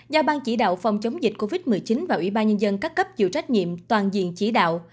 do bang chỉ đạo phòng chống dịch covid một mươi chín và ủy ban nhân dân các cấp chịu trách nhiệm toàn diện chỉ đạo